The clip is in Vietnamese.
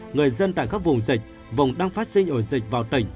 người dân tại các vùng dịch vùng đang phát sinh ổ dịch vào tỉnh